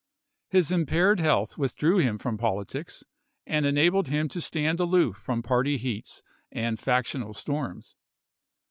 His impaired health withdrew him from politics and enabled him to stand aloof from party heats and factional storms.